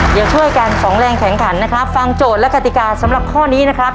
เดี๋ยวช่วยกันสองแรงแข็งขันนะครับฟังโจทย์และกติกาสำหรับข้อนี้นะครับ